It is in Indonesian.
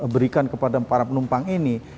berikan kepada para penumpang ini